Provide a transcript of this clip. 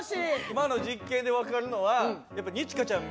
今の実験で分かるのはやっぱ二千翔ちゃん